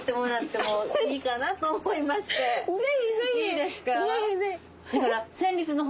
いいですか？